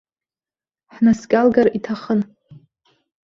Ҳнаскьалгар иҭахын.